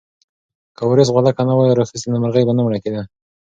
که وارث غولکه نه وای راخیستې نو مرغۍ به نه مړه کېده.